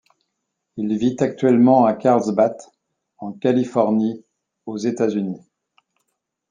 Il vit actuellement à Carlsbad, en Californie, aux États-Unis.